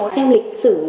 xem lịch sử